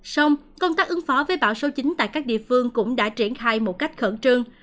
sông công tác ứng phó với bão số chín tại các địa phương cũng đã triển khai một cách khẩn trương